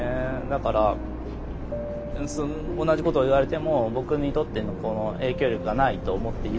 だから同じことを言われても僕にとってのこの影響力がないと思っていれば大丈夫だし。